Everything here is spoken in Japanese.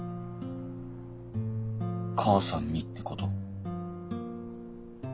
母さんにってこと？